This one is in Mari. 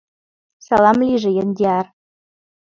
— Салам лийже, Яндиар!